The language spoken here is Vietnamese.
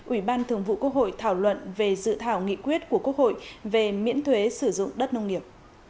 ủy ban thường vụ quốc hội thảo luận về dự thảo nghị quyết của quốc hội về miễn thuế sử dụng đất nông nghiệp